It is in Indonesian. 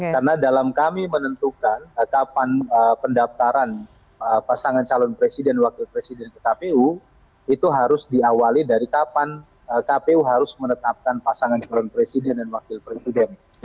karena dalam kami menentukan kapan pendaftaran pasangan calon presiden dan wakil presiden ke kpu itu harus diawali dari kapan kpu harus menetapkan pasangan calon presiden dan wakil presiden